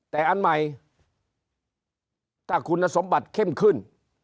แต่อันใหม่ถ้าคุณสมบัติเข้มขึ้น